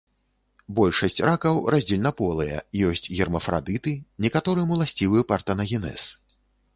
Большасць ракаў раздзельнаполыя, ёсць гермафрадыты, некаторым уласцівы партэнагенез.